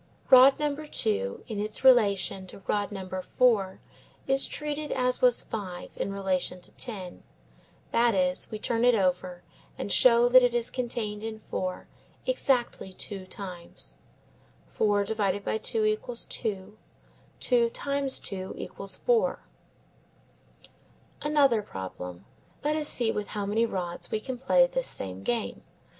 Rod number two in its relation to rod number four is treated as was five in relation to ten; that is, we turn it over and show that it is contained in four exactly two times: 4 / 2=2; 2x2=4. Another problem: let us see with how many rods we can play this same game.